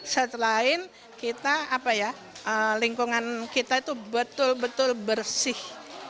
selain kita apa ya lingkungan kita itu betul betul bersih